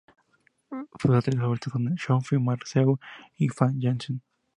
Sus actrices favoritas son Sophie Marceau y Famke Janssen.